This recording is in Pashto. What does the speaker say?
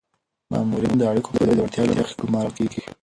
مامورین د اړیکو پر ځای د وړتیا له مخې ګمارل کیږي.